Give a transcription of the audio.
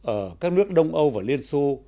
ở các nước đông âu và liên xô